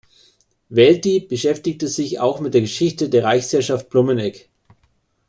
Welti beschäftigte sich auch mit der Geschichte der Reichsherrschaft Blumenegg.